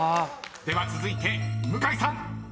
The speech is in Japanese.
［では続いて向井さん］